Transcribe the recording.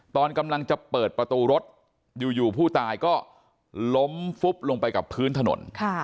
ตอนกำลังจะเปิดประตูรถอยู่ผู้ตายก็ล้มฟุบลงไปกับพื้นถนน